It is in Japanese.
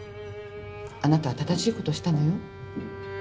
あなたは正しいことをしたのよ。